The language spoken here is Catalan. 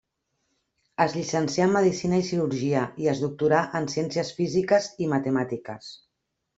Es llicencià en medicina i cirurgia i es doctorà en ciències físiques i matemàtiques.